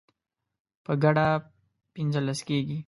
په ګډه پنځلس کیږي